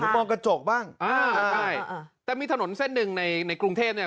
มองกระจกบ้างอ่าใช่อ่าแต่มีถนนเส้นหนึ่งในในกรุงเทพเนี่ย